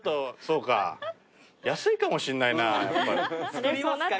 「作りますか？